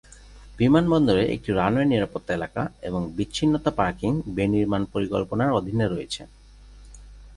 বিমানবন্দরে একটি রানওয়ে নিরাপত্তা এলাকা এবং বিচ্ছিন্নতা পার্কিং বে নির্মাণ পরিকল্পনার অধীনে রয়েছে।